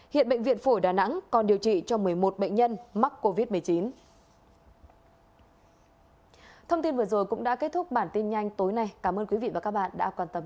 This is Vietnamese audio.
hiện bệnh viện phổi đà nẵng còn điều trị cho một mươi một bệnh nhân mắc covid một mươi chín